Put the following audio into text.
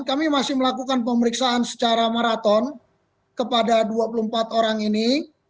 kami masih melakukan pemeriksaan secara maraton kepada dua puluh empat orang ini